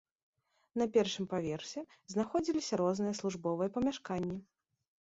На першым паверсе знаходзіліся розныя службовыя памяшканні.